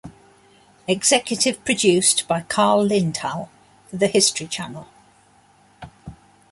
Executive produced by Carl Lindahl for the History Channel.